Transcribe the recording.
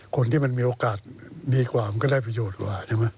คนที่มันมีโอกาสดีกว่ามันก็ได้ประโยชน์กว่าใช่ไหม